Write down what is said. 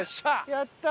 やったー！